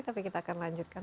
tapi kita akan lanjutkan